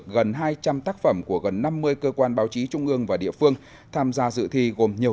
gần hai trăm linh tác phẩm của gần năm mươi cơ quan báo chí trung ương và địa phương tham gia dự thi gồm nhiều